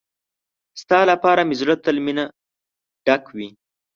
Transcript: ستا لپاره مې زړه تل مينه ډک وي.